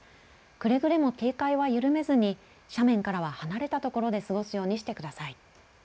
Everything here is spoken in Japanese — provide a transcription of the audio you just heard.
くれぐれも警戒は緩めずに斜面からは離れた所で過ごすようにしてください。